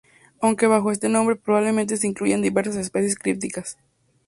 Aunque bajo este nombre probablemente se incluyan diversas especies crípticas.